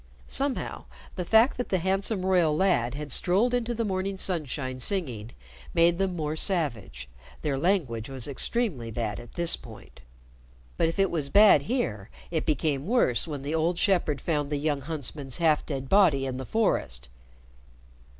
Somehow, the fact that the handsome royal lad had strolled into the morning sunshine singing made them more savage. Their language was extremely bad at this point. But if it was bad here, it became worse when the old shepherd found the young huntsman's half dead body in the forest.